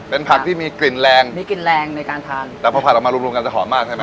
เป็นผักที่มีกลิ่นแรงแต่พอผัดออกมารวมกันจะหอมมากใช่ไหม